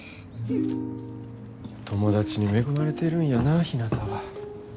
友達に恵まれてるんやなひなたは。